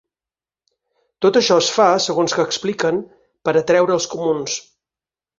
Tot això es fa, segons que expliquen, per a atreure els comuns.